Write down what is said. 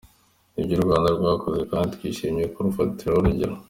Nibyo u Rwanda rwakoze kandi twishimiye kurufatiraho urugero.